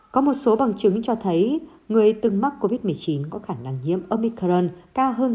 có một số bằng chứng cho thấy người từng mắc covid một mươi chín có khả năng nhiễm omicern cao hơn